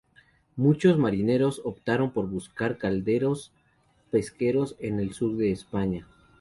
Muchos marineros optaron por buscar caladeros pesqueros en el sur de España.